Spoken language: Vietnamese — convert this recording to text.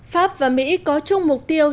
pháp và mỹ có chung mục tiêu